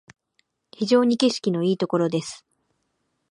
非常に景色のいいところです